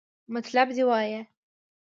مطلب دې وایا!